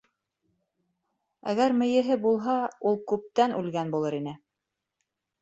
Әгәр мейеһе булһа... ул күптән үлгән булыр ине.